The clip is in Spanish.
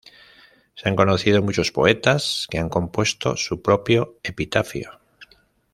Se han conocido muchos poetas que han compuesto su propio epitafio.